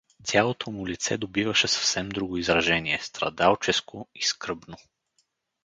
Цялото му лице добиваше съвсем друго изражение, страдалческо и скръбно.